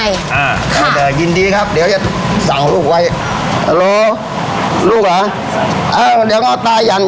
อ่าค่ะแต่ยินดีครับเดี๋ยวจะสั่งลูกไว้ฮัลโหลลูกเหรอเอ้าเดี๋ยวงอต้ายยัง